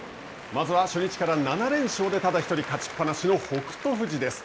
まずは初日から７連勝でただ１人勝ちっぱなしの北勝富士です。